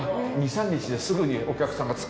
２３日ですぐにお客さんがつく？